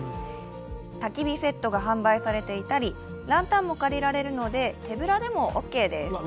たき火セットが販売されていたりランタンも借りられるので手ぶらでもオーケーです。